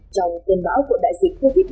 trong tuyên báo của đại dịch covid một mươi chín